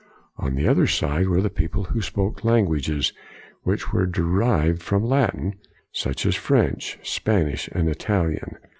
On the other side were the people who spoke languages which were derived from Latin, such as French, Spanish, and Italian.